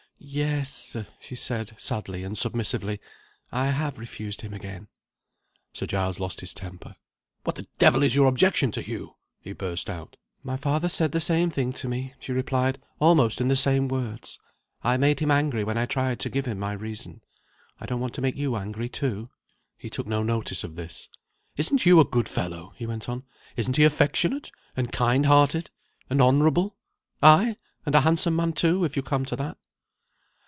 "Yes," she said, sadly and submissively; "I have refused him again." Sir Giles lost his temper. "What the devil is your objection to Hugh?" he burst out. "My father said the same thing to me," she replied, "almost in the same words. I made him angry when I tried to give my reason. I don't want to make you angry, too." He took no notice of this. "Isn't Hugh a good fellow?" he went on. "Isn't he affectionate? and kindhearted? and honourable? aye, and a handsome man too, if you come to that."